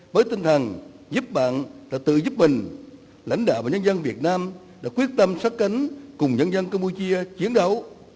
với tinh thần giúp bạn là tự giúp mình lãnh đạo và nhân dân việt nam đã quyết tâm sát cánh cùng nhân dân campuchia chiến đấu